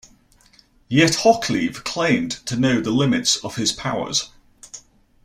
Yet Hoccleve claimed to know the limits of his powers.